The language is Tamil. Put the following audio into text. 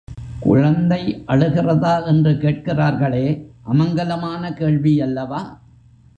குழந்தை அழுகிறதா என்று கேட்கிறார்களே அமங்கலமான கேள்வி அல்லவா?